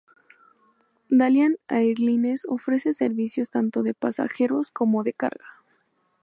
Dalian Airlines ofrece servicios tanto de pasajeros como de carga.